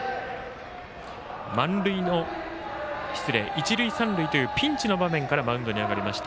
一塁三塁というピンチの場面からマウンドに上がりました。